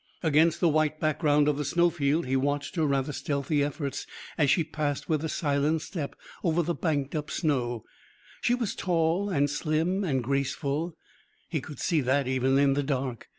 Against the white background of the snow field he watched her rather stealthy efforts as she passed with a silent step over the banked up snow. She was tall and slim and graceful; he could see that even in the dark.